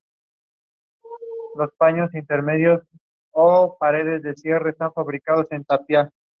Ha actuado en varios papeles en el cine y televisión.